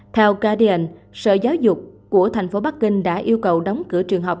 theo kdn sở giáo dục của thành phố bắc kinh đã yêu cầu đóng cửa trường học